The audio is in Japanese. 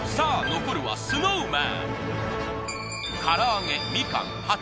残るはＳｎｏｗＭａｎ。